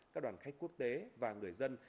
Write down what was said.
các đoàn khách quốc tế và người dân